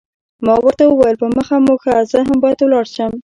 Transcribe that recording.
ما ورته وویل، په مخه مو ښه، زه هم باید ولاړ شم.